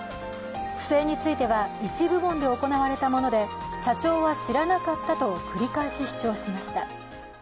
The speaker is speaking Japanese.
不正については一部門で行われたもので、社長は知らなかったと繰り返し主張しました。